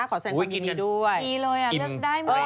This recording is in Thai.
ขอแสดงความยินดีด้วยอุ๊ยกินกันอีกเลยเลือกได้หมด